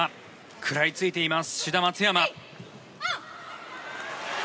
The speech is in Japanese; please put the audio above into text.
食らいついています志田・松山。